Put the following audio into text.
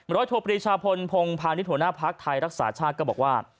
หรือถูปริชาพลพญภาริโฑนาภักดิ์ไทยรักษาชาติก็บอกว่า